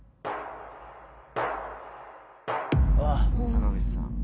坂口さん。